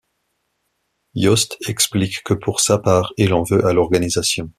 Yost explique que pour sa part il en veut à l'Organisation.